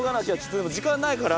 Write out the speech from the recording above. でも時間ないから。